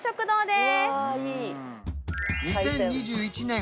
２０２１年